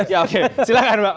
ya oke silahkan mbak